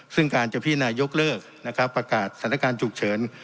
ซึ่งการจะพินายกกเลิกนะครับประกาศสถานการณ์ฉุกเฉิน